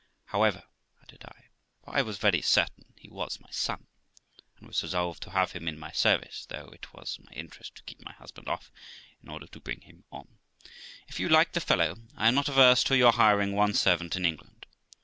However', added I (for I was very certain he was my son, and was resolved to have him in my service, though it was my interest to keep my husband off, in order to bring him on ),' if you like the fellow, I am not averse to your hiring one servant in England.